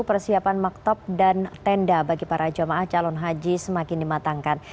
persiapan maktab dan tenda bagi para jamaah calon haji semakin dimatangkan